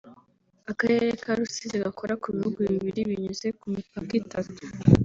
Akarere ka Rusizi gakora ku bihugu bibiri binyuze ku mipaka itatu